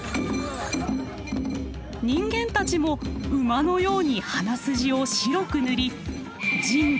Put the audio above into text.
人間たちも馬のように鼻筋を白く塗り人馬